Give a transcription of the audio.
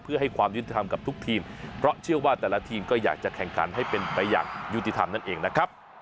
เพื่อให้ความยุติธรรมกับทุกทีมเพราะเชื่อว่าแต่ละทีมก็อยากจะแข่งขันให้เป็นไปอย่างยุติธรรมนั่นเองนะครับ